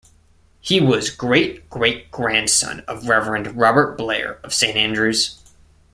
He was great great grandson of Reverend Robert Blair of Saint Andrews.